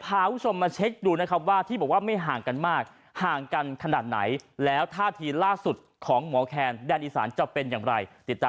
โปรดติดตามตอนต่อไป